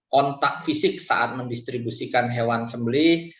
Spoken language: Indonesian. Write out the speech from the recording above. kontak fisik saat mendistribusikan hewan sembelih